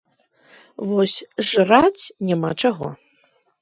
Вось жраць няма чаго.